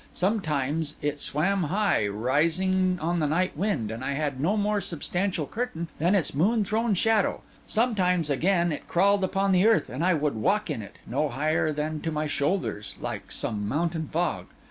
Sometimes it swam high, rising on the night wind, and I had no more substantial curtain than its moon thrown shadow; sometimes again it crawled upon the earth, and I would walk in it, no higher than to my shoulders, like some mountain fog.